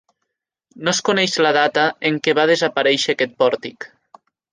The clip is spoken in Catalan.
No es coneix la data en què va desaparèixer aquest pòrtic.